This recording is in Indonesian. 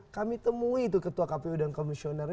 kami temui ketua kpu dan komisioner